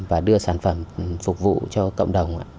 và đưa sản phẩm phục vụ cho cộng đồng